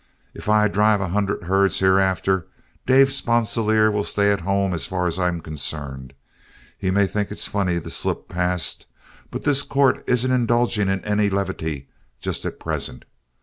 If I drive a hundred herds hereafter, Dave Sponsilier will stay at home as far as I'm concerned. He may think it's funny to slip past, but this court isn't indulging in any levity just at present.